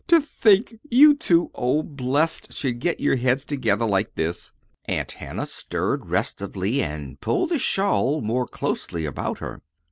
"To think you two old blesseds should get your heads together like this!" Aunt Hannah stirred restively, and pulled the black shawl more closely about her.